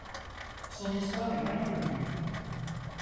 Son histoire est mal connue.